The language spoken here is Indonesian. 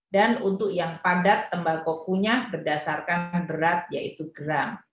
dan untuk yang padat tembakau kunyah berdasarkan berat yaitu gram